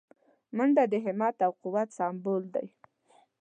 منډه د همت او قوت سمبول دی